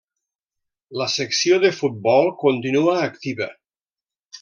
La secció de futbol continua activa.